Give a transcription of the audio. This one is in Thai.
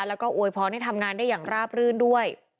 แล้วก็อวยพรให้ทำงานได้อย่างราบรื่นด้วย